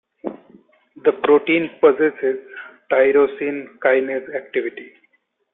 The protein possesses tyrosine kinase activity.